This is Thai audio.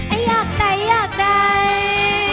ไออยากได้อยากได้